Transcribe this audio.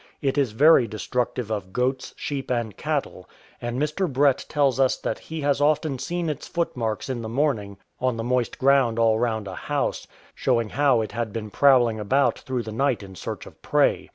It is very destructive of goats, sheep, and cattle ; and Mr. Brett tells us that he 234 MARABUNTAS AND MOSQUITOES has often seen its footmarks in the morning on the moist ground all round a house — showing how it had been prowling about through the night in search of prey.